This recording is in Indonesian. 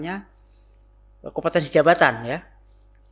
nah data itu yang kita miliki digitalisasi